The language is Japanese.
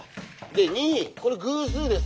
で２これ偶数です。